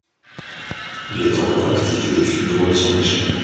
Il est encore actif et des fumerolles s'en échappent.